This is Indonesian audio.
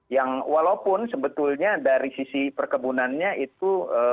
yang walaupun sebetulnya dari sisi perkebunannya itu